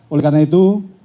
oleh karena itu